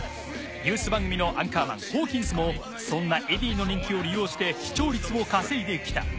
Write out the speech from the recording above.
ニュース番組のアンカーマンホーキンスもそんなエディの人気を利用して視聴率を稼いできた。